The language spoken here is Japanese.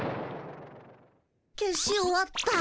消し終わった。